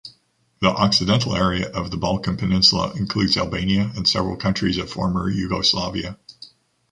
The occidental area of the Balkan peninsula includes Albania and several countries of former Yugoslavia.